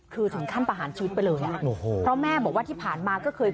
คือถึงขั้นประหารชีวิตไปเลยอ่ะโอ้โหเพราะแม่บอกว่าที่ผ่านมาก็เคย